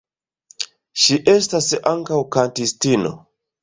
Ŝi estas ankaŭ kantistino.